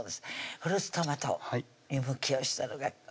フルーツトマト湯むきをしたのがおどります